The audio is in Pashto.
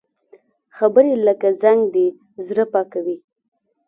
خبرې لکه زنګ دي، زړه پاکوي